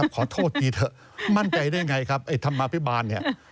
ขอโทษทีเถอะมั่นใจได้ไงครับไอ้ธรรมาภิบาลเนี่ย